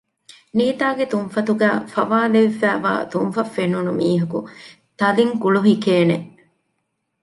ނީތާގެ ތުންފަތުގައި ފަވާލެވިފައިވާ ތުންފަތް ފެނުނު މީހަކު ތަލިން ކުޅުހިކޭނެ